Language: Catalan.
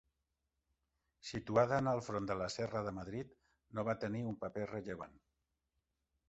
Situada en el front de la Serra de Madrid, no va tenir un paper rellevant.